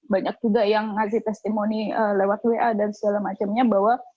banyak juga yang ngasih testimoni lewat wa dan segala macamnya bahwa